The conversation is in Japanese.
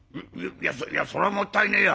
いやそりゃもったいねえや。